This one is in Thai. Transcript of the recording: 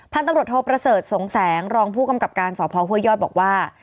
ตำรวจโทประเสริฐสงแสงรองผู้กำกับการสพห้วยยอดบอกว่า